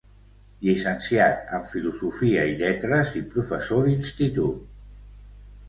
Llicenciat en Filosofia i Lletres i Professor d'Institut.